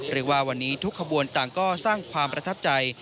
เรียกว่าวันนี้ทุกขบวนต่างก็สร้างความประทับใจ